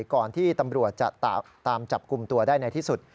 ก่อนที่ตำรวจจะตามจับกลุ่มตัวได้ในที่สุด